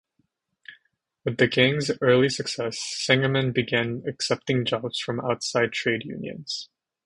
With the gang's early success, Sangerman began accepting jobs from outside trade unions.